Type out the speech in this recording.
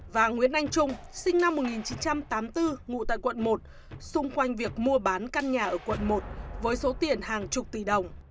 và nguyễn anh trung sinh năm một nghìn chín trăm tám mươi bốn ngụ tại quận một xung quanh việc mua bán căn nhà ở quận một với số tiền hàng chục tỷ đồng